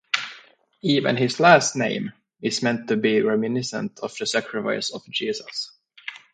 Even his last name is meant to be reminiscent of the sacrifice of Jesus.